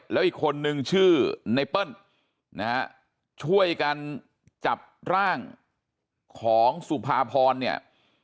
แล้วอีกคนนึงชื่อไนเปิ้ลนะฮะช่วยกันจับร่างของสุภาพรเนี่ย